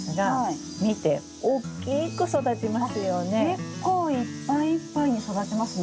結構いっぱいいっぱいに育ちますね。